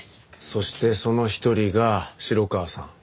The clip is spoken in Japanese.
そしてその一人が城川さん。